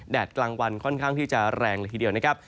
กลางวันค่อนข้างที่จะแรงเลยทีเดียวนะครับ